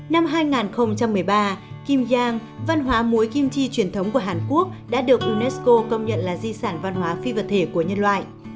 năm hai nghìn một mươi ba kim yang văn hóa muối kim chi truyền thống của hàn quốc đã được unesco công nhận là di sản văn hóa phi vật thể của nhân loại